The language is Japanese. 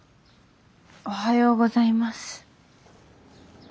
おはようございます。